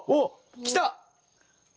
きた！